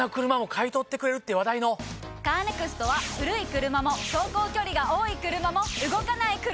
カーネクストは古い車も走行距離が多い車も動かない車でも。